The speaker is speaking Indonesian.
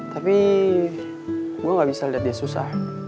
tapi gue gak bisa lihat dia susah